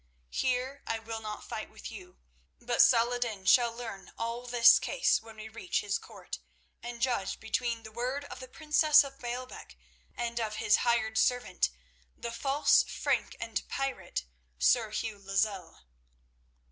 Here, I will not fight with you, but Salah ed din shall learn all this case when we reach his court, and judge between the word of the princess of Baalbec and of his hired servant, the false Frank and pirate, Sir Hugh Lozelle."